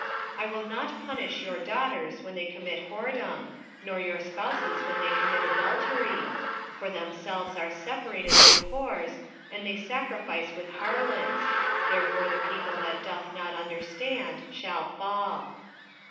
4:14 I will not punish your daughters when they commit whoredom, nor your spouses when they commit adultery: for themselves are separated with whores, and they sacrifice with harlots: therefore the people that doth not understand shall fall.